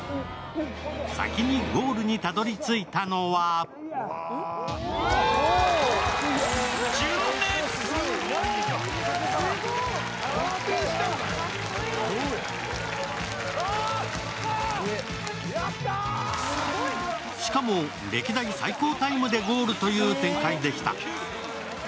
先にゴールにたどりついたのはしかも歴代最高タイムでゴールという展開でした。